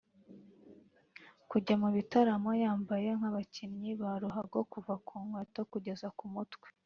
Kujya mu bitaramo yambaye nk’abakinnyi ba ruhago kuva ku nkweto kugeza ku mutwe